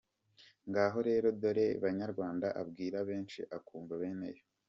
Ngaho rero dore banyarwanda, “abwirwa benshi akumva bene yo”.